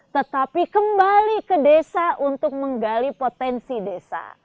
tetapi kembali ke desa untuk menggali potensi desa